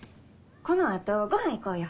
この後ごはん行こうよ。